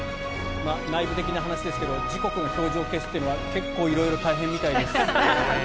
内部的な話ですが時刻の表示を消すというのは結構、色々大変みたいです。